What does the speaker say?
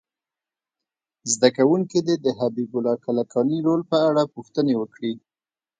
زده کوونکي دې د حبیب الله کلکاني رول په اړه پوښتنې وکړي.